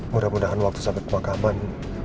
mudah mudahan waktu sampai ke pemakaman